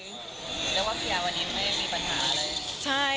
เรียกว่าเคลียร์วันนี้ไม่มีปัญหาอะไร